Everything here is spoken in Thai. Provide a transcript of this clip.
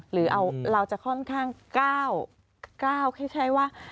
หรือเราจะค่อนข้างก้าวคล้ายว่า